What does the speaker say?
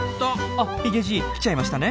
あヒゲじい来ちゃいましたね。